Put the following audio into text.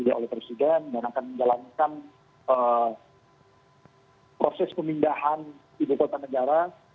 dia oleh presiden dan akan menjalankan proses pemindahan ibu kota negara